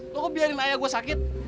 lu kok biarin ayah gua sakit